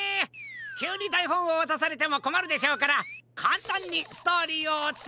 きゅうにだいほんをわたされてもこまるでしょうからかんたんにストーリーをおつたえします。